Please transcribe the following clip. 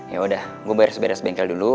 yaudah gue bayar seberas bengkel dulu